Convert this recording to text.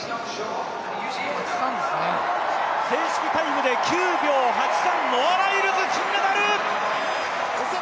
正式タイムで９秒８３、ノア・ライルズ、金メダル！